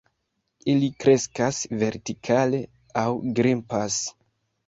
Ili kreskas vertikale aŭ grimpas.